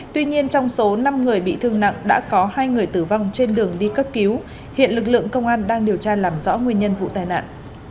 tuy nhiên trong số năm người bị thương nặng đã có hai người tử vong trên đường đi cấp cứu hiện lực lượng công an đang điều tra làm rõ nguyên nhân vụ tai nạn